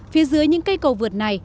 phía dưới những cây cầu vượt này